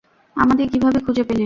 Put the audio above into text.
আমাদের কীভাবে খুঁজে পেলে?